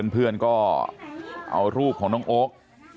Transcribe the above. เพื่อนก็เอารูปของน้องโอ๊ค